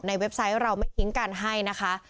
เว็บไซต์เราไม่ทิ้งกันให้นะคะ